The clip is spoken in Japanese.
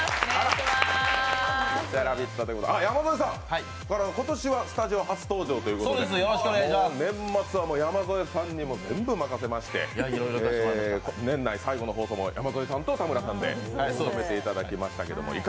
あっ、山添さん、今年はスタジオ初登場ということで年末は山添さんに全部任せまして、年内最後の放送も山添さんと田村さんにお願いしました。